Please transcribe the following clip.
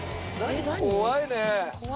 怖いねぇ。